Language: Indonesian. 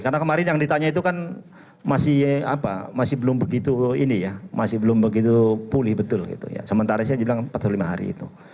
karena kemarin yang ditanya itu kan masih belum begitu pulih betul sementara itu dia bilang empat atau lima hari